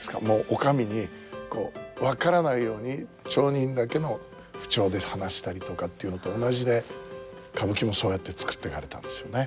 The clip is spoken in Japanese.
お上にこう分からないように町人だけの口調で話したりとかっていうのと同じで歌舞伎もそうやって作っていかれたんですよね。